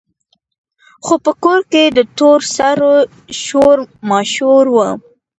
خو په کور کې د تور سرو شور ماشور وو.